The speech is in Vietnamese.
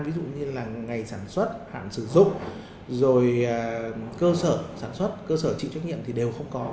ví dụ như là ngày sản xuất hạn sử dụng rồi cơ sở sản xuất cơ sở chịu trách nhiệm thì đều không có